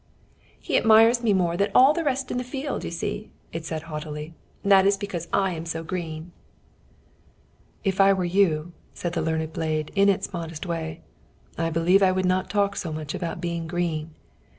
"He admires me more than all the rest in the field, you see," it said, haughtily. "That is because I am so green." "If I were you," said the learned blade, in its modest way, "I believe I would not talk so much about being green.